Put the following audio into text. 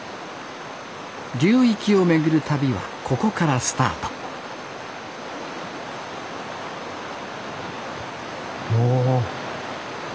流域を巡る旅はここからスタートおお。